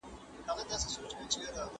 هیڅوک باید د زور لاندي پرېکړه ونه کړي.